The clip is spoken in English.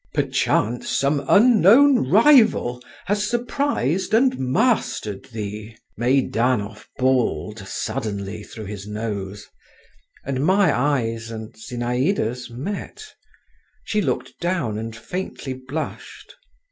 "Perchance some unknown rival Has surprised and mastered thee?" Meidanov bawled suddenly through his nose—and my eyes and Zinaïda's met. She looked down and faintly blushed.